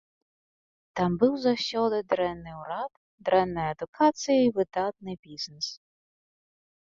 Там быў заўсёды дрэнны ўрад, дрэнная адукацыя і выдатны бізнэс.